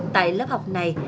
tại lớp học này